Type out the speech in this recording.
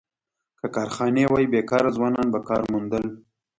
که کارخانې وای، بېکاره ځوانان به کار موندل.